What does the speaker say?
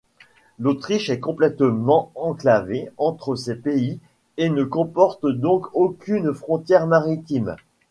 L'Autriche est complètement enclavée entre ces pays et ne comporte donc aucune frontière maritime.